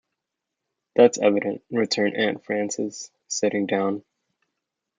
"That's evident," returned Aunt Frances, sitting down.